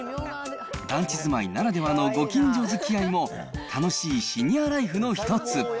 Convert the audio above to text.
団地住まいならではのご近所づきあいも、楽しいシニアライフの一つ。